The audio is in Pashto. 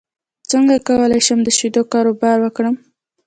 څنګه کولی شم د شیدو کاروبار وکړم